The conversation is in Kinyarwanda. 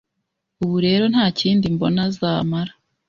Ubu rero nta kindi mbona zamara